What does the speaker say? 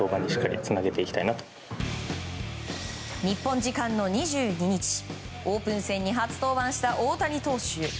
日本時間の２２日オープン戦に初登板した大谷投手。